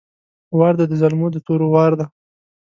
وار ده د زلمو د تورو وار ده!